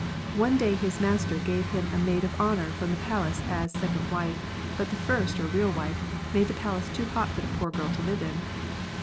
One day his master gave him a maid of honour from the palace as second wife, but the first or real wife made the place too hot for the poor girl to live in.